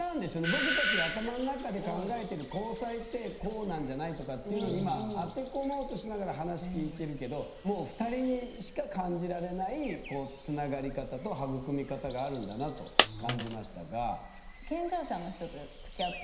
僕たちが頭の中で考えてる交際ってこうなんじゃない？とかっていうのに今当て込もうとしながら話聞いてるけどもう２人にしか感じられないつながり方と育み方があるんだなと感じましたが。